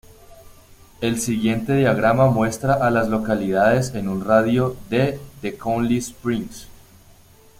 El siguiente diagrama muestra a las localidades en un radio de de Connelly Springs.